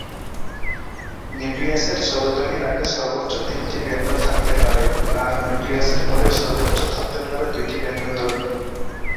নিউক্লিয়াসের স্বরধ্বনির আগে সর্বোচ্চ তিনটি ব্যঞ্জন থাকতে পারে, আর নিউক্লিয়াসের পরে সর্বোচ্চ থাকতে পারে দুইটি ব্যঞ্জনধ্বনি।